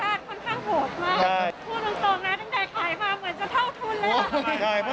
ปีนี้ค่อนข้างชาติค่อนข้างโหดมาก